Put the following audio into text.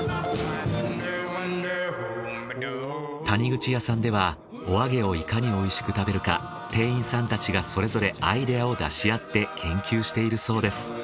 谷口屋さんではお揚げをいかにおいしく食べるか店員さんたちがそれぞれアイデアを出し合って研究しているそうです。